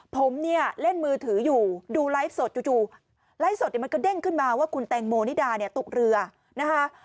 ผมเนี่ยเล่นมือถืออยู่ดูไลฟ์สดจู่ไลฟ์สดเนี่ยมันก็เด้งขึ้นมาว่าคุณแตงโมนิดาเนี่ยตกเรือนะคะ